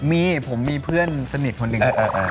มีผมมีเพื่อนสนิทคนหนึ่ง